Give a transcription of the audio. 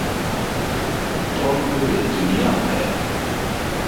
تۆم ببێ دونیام هەیە